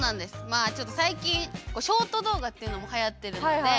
まあちょっと最近ショート動画っていうのもはやってるので。